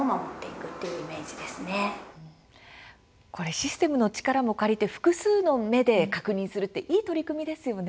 システムの力も借りて複数の目で確認するっていい取り組みですね。